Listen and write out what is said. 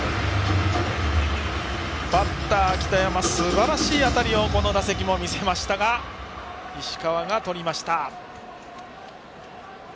バッター、北山すばらしい当たりをこの打席も見せましたが石川がとりました。